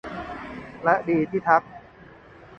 และดีที่ทัก